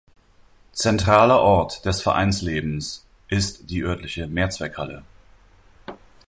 Zentraler Ort des Vereinslebens ist die örtliche Mehrzweckhalle.